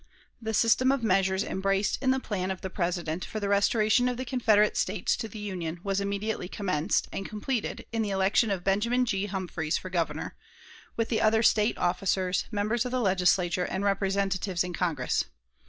The system of measures embraced in the plan of the President for the restoration of the Confederate States to the Union was immediately commenced and completed in the election of Benjamin G. Humphreys for Governor, with the other State officers, members of the Legislature, and Representatives in Congress.